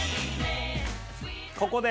ここで。